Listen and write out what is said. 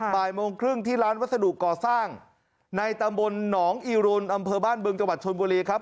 บ่ายโมงครึ่งที่ร้านวัสดุก่อสร้างในตำบลหนองอีรุนอำเภอบ้านบึงจังหวัดชนบุรีครับ